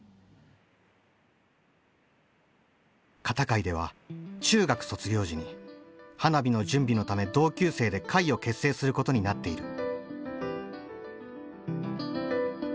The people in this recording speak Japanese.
片貝では中学卒業時に花火の準備のため同級生で会を結成することになっている。